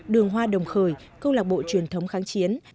đường hoa đồng khởi công lạc bộ truyền thống kháng chiến